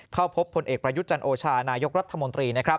เข้าพบผลเอกปรายุทธ์จันโอชานายกรัฐมนตรี